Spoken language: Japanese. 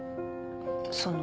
その。